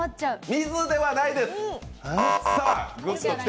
水ではないです。